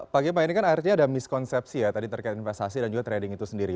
pak gepa ini kan artinya ada miskonsepsi ya tadi terkait investasi dan juga trading itu sendiri